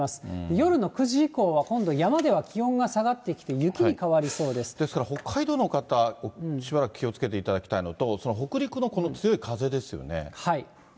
夜の９時以降は、今度、山では気温が下がってきて、ですから、北海道の方、しばらく気をつけていただきたいのと、その北陸のこの強い風ですね。